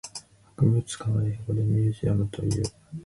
博物館は英語でミュージアムという。